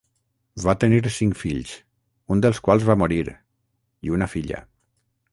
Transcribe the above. Va tenir cinc fills, un dels quals va morir, i una filla.